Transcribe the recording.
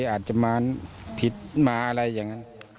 อาจจะมาผิดมาอะไรอย่างนั้น